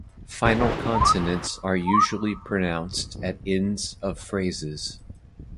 Final consonants are usually pronounced at ends of phrases.